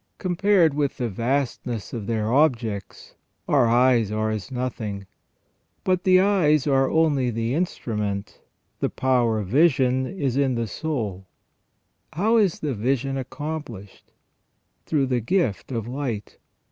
Compared with the vastness of their objects, our eyes are as nothing. But the eyes are only the instrument, the power of vision is in the soul. How is the vision accomplished ? Through the gift of light.